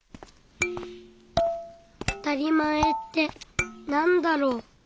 「あたりまえってなんだろう」。